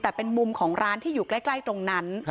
แต่เป็นมุมของร้านที่อยู่ใกล้ตรงนั้น